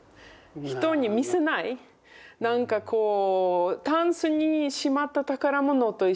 なんかこうたんすにしまった宝物と一緒。